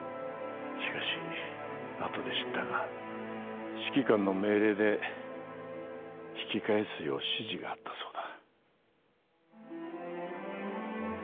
しかしあとで知ったが指揮官の命令で引き返すよう指示があったそうだ